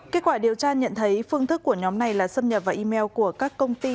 kết quả điều tra nhận thấy phương thức của nhóm này là xâm nhập vào email của các công ty